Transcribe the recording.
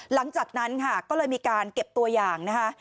หลังจากนั้นค่ะก็เลยมีการเก็บตัวอย่างนะคะ